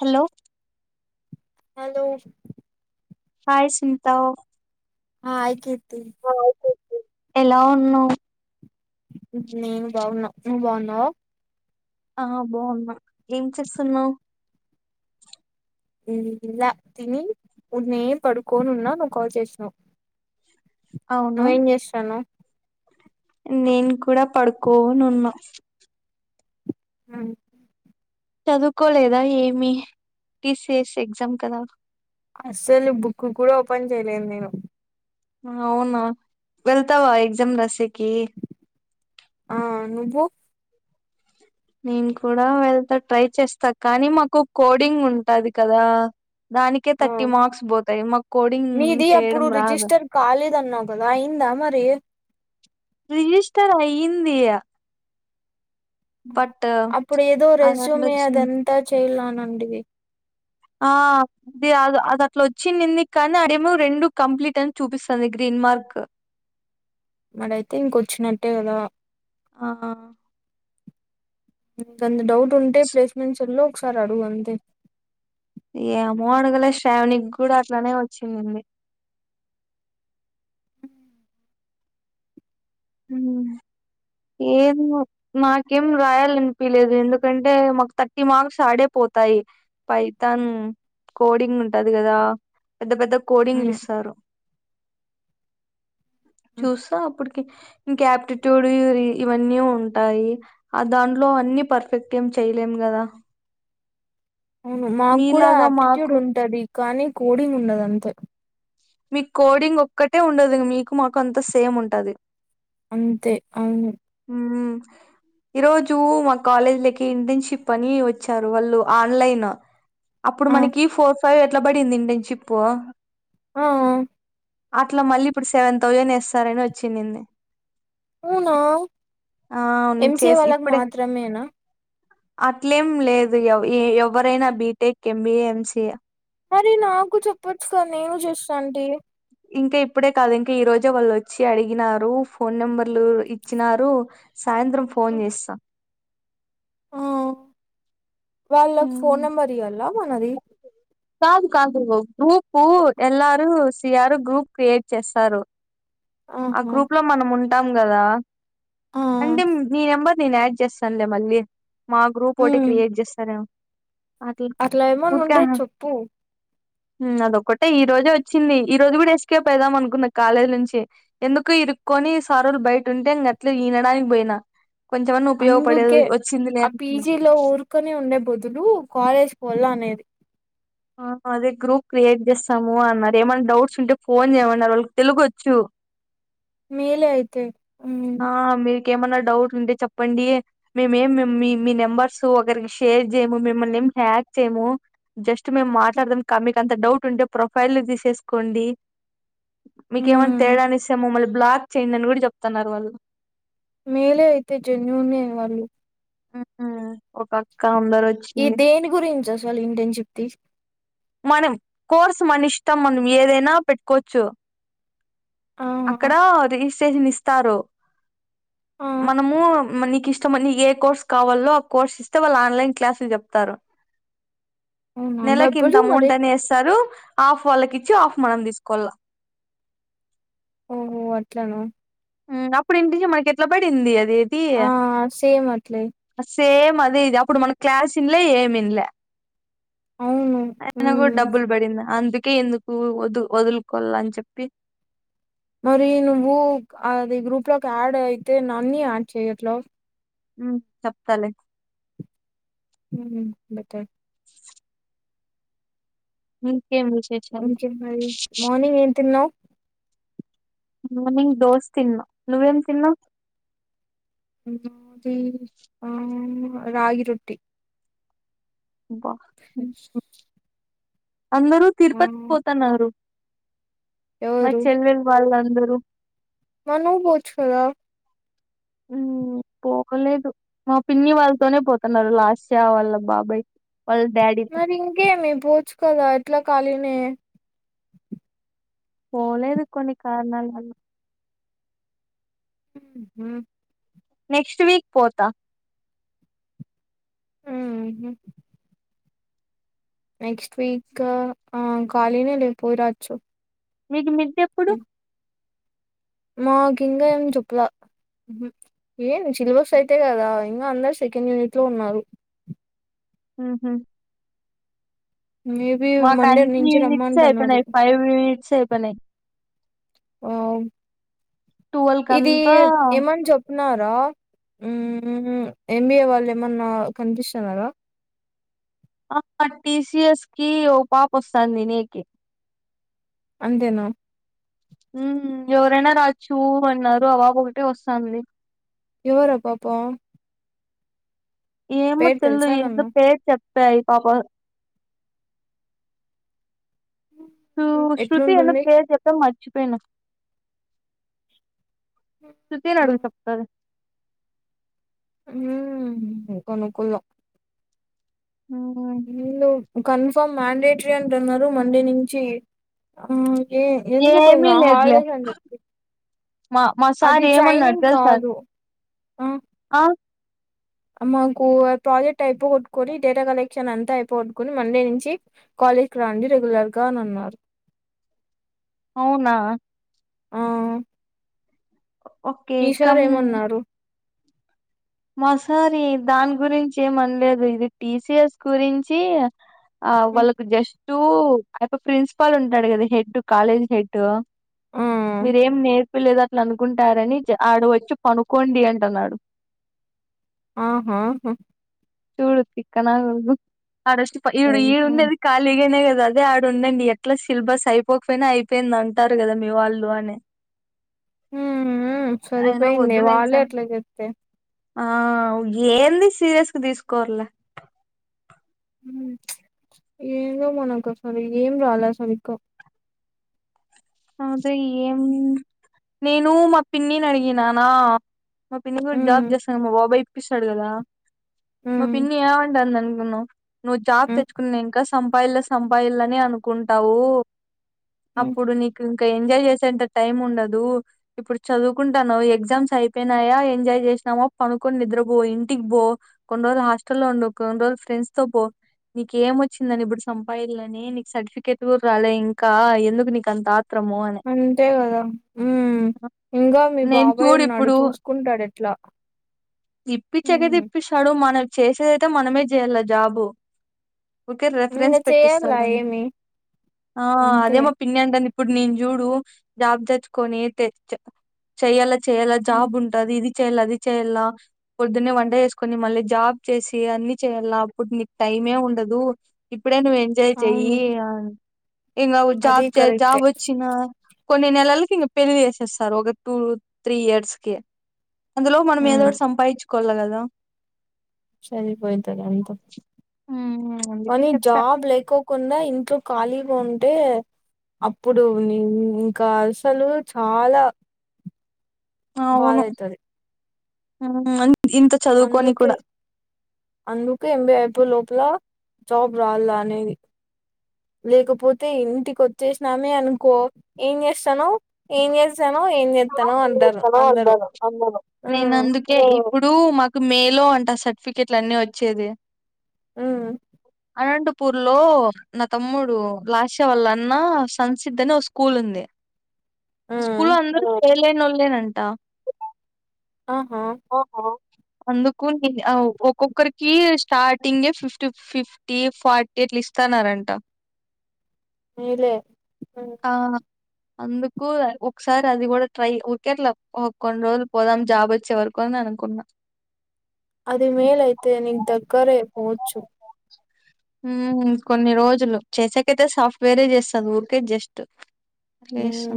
Hello hello hi సింతావ్ ఆ అయి తె ఎలా ఉన్నావ్? నేను బావున్నా నువ్వు బావున్నావా ఆ బాగున్నా ఏం చేస్తున్నావ్ ఉమ్ ఇలా తిని ఉడ్నే పడుకోని ఉన్నా, నువ్వు కాల్ చేస్నవ్. అవునా నువ్వేం చేస్తానవ్? నేను కూడా ప్ పడుకోనున్న. ఉమ్ చదువుకోలేదా ఏమి? టి సి ఎస్ ఎగ్జామ్ కదా? అస్సలు బుక్కు కూడా ఓపెన్ చేయలేదు నేను. అవునా, వెళ్తవా ఎక్జామ్ రాసేక్ ఆ నువ్వు? నేను కూడా వెళ్తా ట్రై చేస్తా కానీ, మాకు కోడింగ్ ఉంటది కదా. దానికే ఆ, థర్టీ మార్క్స్ పోతాయి మాకు కోడింగ్ మీది అప్పుడు చేయడం రాదు రిజిస్టర్ కాలేదన్నవ్ కదా, అయిందా మరి ఎద్? రిజిస్టర్ అయిందియా అప్పుడు ఏదో అదట్లో రెస్యూమే చిన్న అదంతా చెయ్లా నంటివి ఆ అది అ అది అట్లోచ్చింది ఎందుకు కానీ, అదేమో రెండు కంప్లీట్ అని చూపిస్తుంది గ్రీన్ మార్క్. మరయితే ఇంకొచ్చినట్టే కదా? ఆ ఇంకేంది డౌట్? ఉంటే ప్లేస్మెంట్స్ ల్లో క్షారడుగు అంతే. ఏమో అడగలే, శ్రావణి క్కూడ అట్లానే వచ్చిందంది. ఉమ్ ఏమో, నాకేం రాయాలనిపియలేదు. ఎందుకంటే మాకు థర్టీ మార్క్స్ ఆడే పోతాయి. పైతన్ కోడింగ్ ఉంటది కదా? పెద్ద పెద్ద కోడింగ్లు ఇస్తారు. చూస్సా అప్పుడుకి కి ఇంక ఆప్టిట్యూడ్ యూ ఈ ఇవన్నీ ఉంటాయి ఆ దాంట్లో అన్నీ పర్ఫెక్ట్ ఏ చెయ్యలేం కదా అవును మాకు కూడా మీలాగా ఆప్టిట్యూడ్ మాకు ఉంటది కానీ కోడింగ్ ఉండదు అంతే మీకు కోడింగ్ ఒక్కటే ఉండదు మీకు మాకు అంతా సేమ్ ఉంటది అంతే అవును ఊ ఈరోజు మా కాలేజ్ లకి ఇంటర్న్షిప్ అని వచ్చారు వాళ్ళు ఆన్లైన్ అప్పుడు ఆ మనకి ఫోర్ ఫైవ్ ట్ల బడింది ఇంటర్న్షిప్ ఆ ఆ అట్లా మళ్ళీ ఇప్పుడు సెవెన్ థౌజండ్ ఏస్తారని వచ్చినింది అవునా ఎం నేను సీ ఏ చేసి వాళ్ళకు ఇప్పుడే మాత్రమేనా అట్లేం లేదు ఏ ఎవరైనా BTech M B A M C A మరి నాకూ చెప్పచ్చు గా నేనూ చేస్తా ఉంటి ఇంకా ఇప్పుడే కాదు ఇంకా ఈ రోజే వాళ్ళు వచ్చి అడిగినారు ఫోన్ నెంబర్లు ఇచ్చినారు సాయంత్రం ఫోన్ చేస్తాం ఆ వాళ్ళకు ఫోన్ మ్మ్. నెంబర్ ఇవ్వాలా ఉనాది కాదు కా గ్రూపు ఎల్లరు సిఆర్ గ్రూప్ క్రియేట్ చేస్తారు ఆ ఆహా గ్రూప్ లో మనం ఉం ఉంటాం కదా ఆ అంటే నీ నెంబర్ నేను యాడ్ చేస్తానులే మళ్ళీ మా గ్రూప్ ఒకటి ఉమ్ క్రియేట్ చేస్తారేమో అట్లా ఏమన్నా ఊరికే ఉండే ఆహా. చెప్పు అదొక్కటే ఈ రోజే వచ్చింది ఈ రోజు కూడా ఎసుకే పోయిదాం అనుకున్న కాలేజీ నుంచి ఎందుకు ఇరుక్కొని సారులు బయటంటే ఇంట్లా ఈనడానికి పోయినా కొంచెమన్నా ఉపయోగపడేది అందుకే వచ్చింది లే ఆ అనుకున్నా పీజీ లో ఊరుకొని ఉండే బదులు కాలేజ్ వలా అనేది ఆ అదే గ్రూప్ క్రియేట్ చేస్తాము అన్నారు ఏమన్నా డౌట్స్ ఉంటే ఫోన్ చేయమన్నారు వాళ్ళకి తెలుగొచ్చు మేల అయితే ఉమ్ ఆ మీ ఏమన్నా డౌట్ ఉంటే చెప్పండి మేముేం మీ మీ నెంబర్స్ ఒకరికి షేర్ చేయము మిమ్మల్ని ఏం హ్యాక్ చేయము జస్ట్ మేము మాట్లాడదాం మీకు అంత డౌట్ ఉంటే ప్రొఫైల్ తీసేసుకోండి మీక ఏమంత ఉమ్ తేడా అస్తే ముమ్ల్ బ్లాక్ చేయయిందని కూడా చెప్తున్నారు సను మేలే అయితే జన్యూన్న్ వాళ్ళు ఆహా ఈ దేని గురించి అసలు ఇంటర్న్షిప్ తీ మనం కోర్స్ మని ఇష్టం మనం ఏదైనా పెట్టుకోవచ్చు ఆ అక్కడ అది అప్లికేషన్ ఇస్తారు ఆ మనము నీకు ఇష్ట ఇష్టమని ఏ కోర్స్ కావాలో ఆ కోర్స్ ఇస్తే వాళ్ళు ఆన్లైన్ క్లాసులు చెప్తారు అవును నెలకి డబ్ ఇంత అమౌంట్ అని వేస్తారు రు ఆఫ్ వాళ్ళకిచ్చి ఆఫ్ మనం తీసుకోళ్ల ఓహో అట్లనా అప్పుడు ఇంటికి మనకి ఎట్లా పడింది అది ఆ సేమ్ అట్లే సేమ్ అదే ఇది అప్పుడు మన క్లాస్ ఇన్లే ఏమిన్లే అవును అయినా కూడా మ్మ్ డబ్బుల్ పడిందా అందు తే ఎందుకు వదు వదులుకోల్ల అని చెప్పి మరి నువ్వు అది గ్రూప్ లోకి యాడ్ అయితే నన్ని యాడ్ చేయట్ల ఉమ్ చెప్తాలే ఉమ్ బెకా ఉమ్ ఇంకేం మరి మార్నింగ్ ఏం తిన్నావు మార్నింగ్ దోశ తిన్నా నువ్వేం తిన్నావ్ ది ఆ రాగి రొట్టె బ అందరూ ఆ తిరుపతికి పోతన్నారు మా ఎవరు చెల్లెల్లు వాళ్ళంతా అందరు మరి నువ్వు పోవచ్చు కదా పోకలేదు మా పిన్ని వాళ్ళతోనే పోతున్నారు లాస్య వాళ్ళ బాబాయి మరి ఇంకేమి పోవచ్చు కదా ఎట్లా ఖాళీనే పోలేదు కొన్ని కారణాల వల్ల ఉమ్ నెక్స్ట్ వీక్ పోతా ఉమ్ నెక్స్ట్ వీక్ ఆ ఖాళీనే లే పోయి రాచ్చు మీకు మీ ఇ మాకు ఇంకా ఏం చొప్పులా ఏం సిల్బర్స్ అయితే కదా ఇంకా అందరు సెకండ్ యూనిట్ లో ఉన్నారు హ హ మేబి మా మండే నుంచి కాంటిన్ నిట్స రమ్మంటున్నారు ప ఫైవ్ యునిట్స్ ప ఆ వల్ క అంతా న్నారా ఎంబిఏ వాళ్ళు ఏమన్నా కనిపిస్తున్నారా ఆ టిసఎస్ కి ఓ పాప వస్తాంది నే నకే అంతేనా హ్మ్ ఎవరైనా రాచ్చు అన్నారు అబబు ఒకటే వస్తాంది ఎవరా పాప ఏమ పేరు తెల్లు తెలుసా ఇందు ఏమన్నా పేరు చెప్ప పేరి పాప శ్రు మ్మ్. శ్రృతి ఏందో ఎట్లుంటుంది పేరు చెప్పడం మర్చి పన్ చూతే రడు సకత ఊ కొనుకుల్ల నీళ్ళు కన్ఫర్మ్ మ్యాండేటరీ అంటున్నారు మండే నుంచి ఏమీ ఆ లేదులే మా మా సార్ అది ట్రైనింగ్ కాదు ఆ ఆవ్ మాకు ప్రాజెక్ట్ అయిపోగొట్టుకొని డేటా కలెక్షన్ అంతా అయిపోగొట్టుకొని మండే నుంచి కాలేజ్ కి రండి రెగ్యులర్ గా అని అన్నారు అవునా ఆ ఓకే మీ షార్ ఏమన్నారు మా సార్ ఈ దాని గురించి ఏం అనలేదు ఇది టీ సి ఎస్ గురించి ఆ ఉమ్, వాళ్ళకు జష్ టూ ఆ యప్ప ప్రిన్సిపాల్ ఉంటాడు కదా హెడ్ కాలేజ్ హెడ్ ఆ మీరేం నేర్పీలేదా ట్ల అనుకుంటారని ఆడ వచ్చి పనుకోండి అంటన్నాడు ఆహా హు చూడు తిక్క నా కొడుకు ఆడొష్టిపా ఈడు సరిపోయింది ఈడుండేది ఖాళీగానే గ అదే ఆడ ఉండండి ఎట్లా సిలబస్ అయిపోకపోయినా అయిపోయింది అంటారు కదా మీ వాళ్ళు అని ఊ ఊ ఊ అయినా సరిపోయింది వద్దులేండి వాళ్ళే సార్ అట్లా చెప్తే ఆ ఏంది సీరియస్గా తీసుకోరులే ఏదో మనకు సర ఏం రాలే సరిగ్గా అదే ఏం నేను మా పిన్నిని అడిగిననా మా పిన్న కూడా ఉమ్ జాబ్ చేస్తాం మా బాబాయి పిస్తాడుకదా మ ఉమ్ పిన్ని ఏం అంటతండి అంటే నువ్వు జాబ్ ఉమ్ తెచ్చుకున్నా ఇంకా సంపాయిళ సంపాయిల్ళ అని అనుకుంటావు ఉమ్, అప్పుడు నీకు ఇంకా ఎంజాయ్ చేసేంత టైం ఉండదు ఇప్పుడు చదువుకుంటాను ఎగ్జామ్స్ అయిపోయినాయా ఎంజాయ్ చేసినామా పనుకొని నిద్ర పో ఇంటికి పో కొన్ని రోజులు హాస్టల్లో ఉండు కొన్ని రోజులు ఫ్రెండ్స్ తో పో నీక ఏం వచ్చిందని ఇప్పుడు సంపాలని నీకు సర్టిఫికేట్ కూడా రాలే ఇంకా ఎందుకు నీకు అంత ఆత్రము అని అంతే కదా ఉ ఇంకా మీ నేను బాబాయ్ చూడు ఉన్నాడు ఇప్పుడు చూసుకుంటాడు ఎట్లా ఇప్పించాకైతే ఇప్పిస్తాడు మనం చేసేదైతే మనమే చేయాల జాబు ఊరికే ఇంగ రెఫరెన్స్ చేయాల పెట్టిస్తాడు ఏమి ఆ అదే అంతే మా పిన్ని అంటంది ఇప్పుడు నేను చూడు జాబ్ తెచ్చుకొని చెయాల చేయ్యాల హ్మ్. జాబ్ ఉంటది ఇది చేయాల అది చెయాల పొద్దున్న వంట చేసుకొని మళ్ళీ జాబ్ చేసి అన్ని చేయలా అప్పుడు నీకు టైమ్ ఉండదు ఇప్పుడే నువ్వు ఎంజాయ్ చెయ్యి అవును ఇంకా అది జాబ్ చే కరెక్టే జాబ్ కొన్ని నెలలకి ఇంక పెళ్ళి చేసేస్తారు ఒక టూ త్రీ ఇయర్స్ కి అందులో మనం ఏదో హ్మ్ ఒకటి సంపాదించు కొల కదా సరిపోయితంది ఎంత ఉమ్, అందుకే కానీ చెప్పా జాబ్ లేకోకుండా ఇంట్లో ఖాళీగాంటే అప్పుడు ఇంకా అసలు చాలా అవును భడైతంది [inaudible] చదువుకొని అందుకే కూడా అందుకే ఏం బి ఎ అయిపోయి అట్లా జాబ్ రావాలా అనేది లేకపోతే ఇంటికి వచ్చేసినామే అనుకో ఏం చేస్తానావు ఏం చేస్తా స్తానో ఏం చెస్తానో అంటారు చేస్తానో అందరూ అన్నాను అన్నాను నేను అందుకే ఇప్పుడు మాకు మేలో అంట సర్టిఫికేట్లు అన్ని వచ్చేది ఆ అనంతపూర్ లో నా తమ్ముడు లాస్య వల్ల అన్న సంసిద్ధని ఒక స్కూల్ ఉంది హ్మ్ స్కూలు అం ఫెయిల్ అయిన వల్లి అంట ఆహ్ హా అందుకు ఒక్కొక్కరికి స్టార్టింగే ఫిఫ్టీ ఫిఫ్టీ ఫోర్టీ అట్లా ఇస్తాన్నారంట అలే ఆ అందుకు య ఒకసారి ట అది కూడా ట్రై ఊరికే అట్లా కొన్ని రోజులు పోదాం జాబ్ వచ్చే వరకు అని అనుకున్నా అది మేలు ఐతే నీకు దగ్గరే పోవచ్చు ఊ కొన్ని రోజులు చేసేకైతే సాఫ్ట్వేరే చేస్తాది ఊరికే జస్ట్ అట్లేస్తా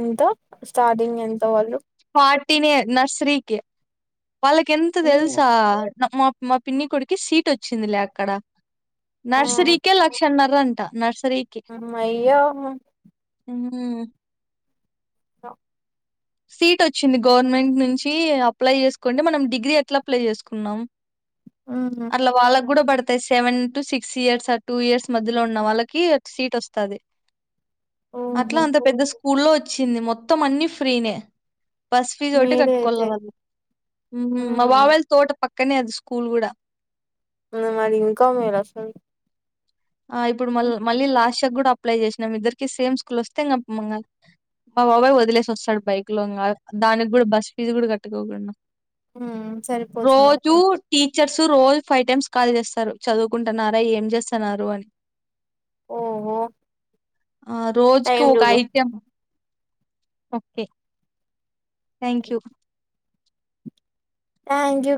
ఎంతే స్టార్టింగ్ ఎంత వాళ్ళు ఫార్టీనే నర్సరీ కి వాళ్ళకి ఎంత హ్మ్ తెలుసా నా మ మా పిన్ని కొడుక్కి సీట్ వచ్చిందిలే అక్కడ నర్సరీ కే లక్షన్న రంట నర్స్ అమ్మ ఇగా హా ఊ సీట్ వచ్చింది గవర్నమెంట్ నుంచి అప్లై చేసుకుంటే మనం డిగ్రీ ఎట్లా అప్లై చేసుకున్నాం హ్మ్ అట్ల వాళ్ళకు కూడా బడు తే సెవెన్ టు సిక్స్ ఇయర్స్ ఆ టూ ఇయర్స్ మధ్యలో ఉన్న వాళ్ళకి ఒక సీట్ వస్తాది అట్లా ఓహో అంత పెద్ద స్ ఊళ్ళో వచ్చింది మొత్తం అన్ని ఫ్రీ నే బస్ ఫీజు ఒకటే మేలే కట్టుకోవాల అయితే వాళ్ళు ఊ హ్మ్ మా బాబాయ్ హ్మ్. వాళ్ళ తోట పక్ క్కనే అది స్కూల్ కూడా మరి ఇంకా మేలు అసలు ఆ ఇప్పుడు మళ్ళీ మళ్ళీ లాస్ త కూడా అప్లై చేసినాం ఇద్దరికి సేమ్ స్కూల్ వస్తే ఇంగ మంగ మా బాబాయి వదిలేసి వస్తాడు బైక్ లో ఇంగ దానికి కూడా బస్ ఫీజు కూడా కట్టుకోకుండా ఊ సరిపోతుంది అక్క చర్స్ రోజూ ఫైవ్ టైమ్స్ కాల్ చేస్తారు చదువుకుంటున్నారా ఏం చేస్తున్నా రు అని ఓహో ఆ రోజుకి టైం ఒక చూడు ఐటెం ఓకే టాంక్ యూ యాం జూ